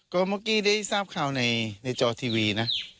ก็เมื่อกี้ได้ทราบข่าวในจอทีวีนะ